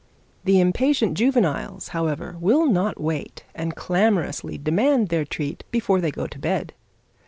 The impatient juveniles, however, will not wait, and clamorously demand their treat before they go to bed.